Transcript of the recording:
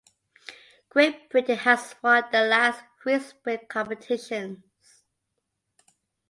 Great Britain has won the last three sprint competitions.